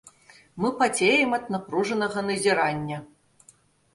Мы пацеем ад напружанага назірання.